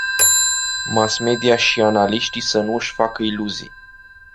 Mass-media și analiștii să nu își facă iluzii.